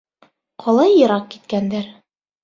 — Ҡалай йыраҡ киткәндәр.